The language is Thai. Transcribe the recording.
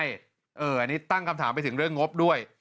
อันนี้ตั้งคำถามไปถึงเรื่องงบด้วย